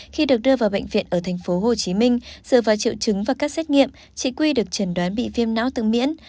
khi được đưa vào bệnh viện ở tp hcm dựa vào triệu chứng và các xét nghiệm chị quy được chẩn đoán bị viêm não tự miễn